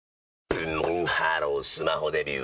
ブンブンハロースマホデビュー！